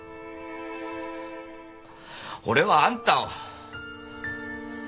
俺はあんたを。